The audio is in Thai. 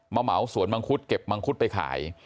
เหมาสวนมังคุดเก็บมังคุดไปขาย